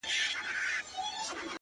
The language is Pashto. ستا شربتي سونډو ته’ بې حال پروت و’